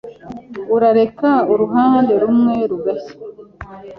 Urareka uruhande rumwe rugashya